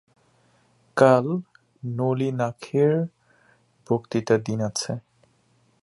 কাল নলিনাক্ষের বক্তৃতার দিন আছে।